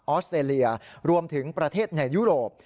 อสเตรเลียรวมถึงประเทศในยุโรป